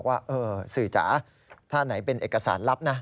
ว่าสื่อจ๋าถ้าไหนเป็นเอกสารลับนะ